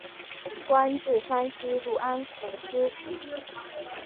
官至山西潞安府知府。